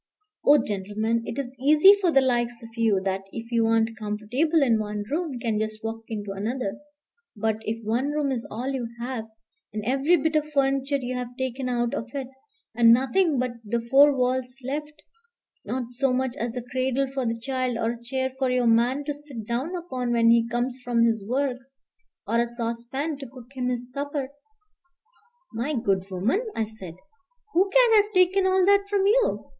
Oh, gentleman, it is easy for the likes of you, that, if you ain't comfortable in one room, can just walk into another; but if one room is all you have, and every bit of furniture you have taken out of it, and nothing but the four walls left, not so much as the cradle for the child, or a chair for your man to sit down upon when he comes from his work, or a saucepan to cook him his supper " "My good woman," I said, "who can have taken all that from you?